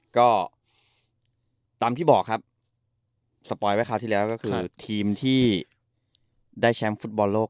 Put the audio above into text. ก็ตามที่บอกครับสปอยไว้คราวที่แล้วก็คือทีมที่ได้แชมป์ฟุตบอลโลก